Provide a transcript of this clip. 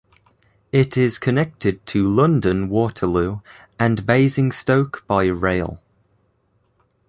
It is connected to London Waterloo and Basingstoke by rail.